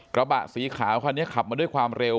กระบะสีขาวคันนี้ขับมาด้วยความเร็ว